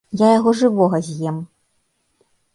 Я яго жывога з'ем.